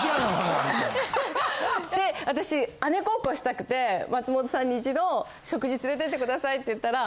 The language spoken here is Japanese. で私姉孝行したくて松本さんに一度食事連れてってくださいって言ったら。